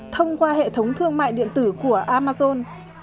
thông qua hệ thống thương mại điện tử của amazon